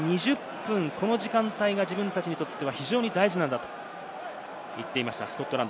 後半の２０分、この時間帯が自分たちにとっては非常に大事なんだと言っていました。